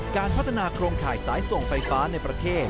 การพัฒนาโครงข่ายสายส่งไฟฟ้าในประเทศ